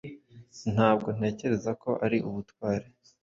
ntabwo ntekerezako ko ari ubutwari